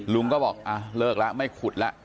ลุงก็บอกเลิกแล้วไม่ขุดแล้ว